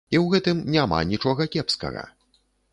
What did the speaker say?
І ў гэтым няма нічога кепскага.